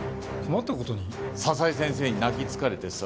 佐々井先生に泣きつかれてさ。